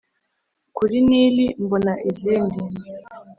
Kuri nili mbona izindi